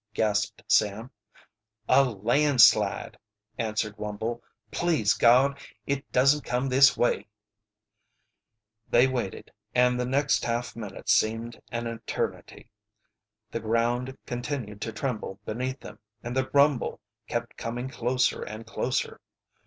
gasped Sam. "A landslide," answered Wumble. "Please God, it doesn't come this way!" They waited, and the next half minute seemed an eternity. The ground continued to tremble beneath them, and the rumble kept coming closer and closer.